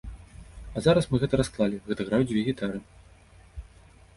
А зараз мы гэта расклалі, гэта граюць дзве гітары.